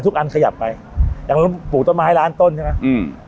อันขยับไปอย่างนู้นปลูกต้นไม้ล้านต้นใช่ไหมอืม